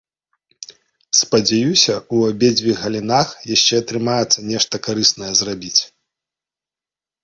Спадзяюся, у абедзвюх галінах яшчэ атрымаецца нешта карыснае зрабіць.